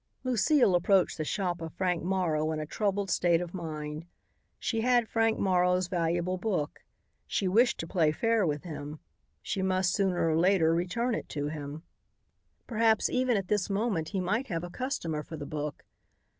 '" Lucile approached the shop of Frank Morrow in a troubled state of mind. She had Frank Morrow's valuable book. She wished to play fair with him. She must, sooner or later, return it to him. Perhaps even at this moment he might have a customer for the book.